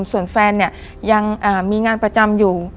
ส่วนแฟนเนี่ยยังมีงานประจำอยู่